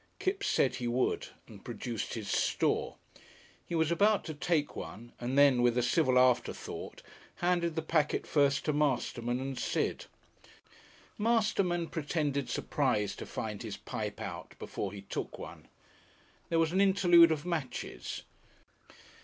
Kipps said he would, and produced his store. He was about to take one, and then, with a civil afterthought, handed the packet first to Masterman and Sid. Masterman pretended surprise to find his pipe out before he took one. There was an interlude of matches.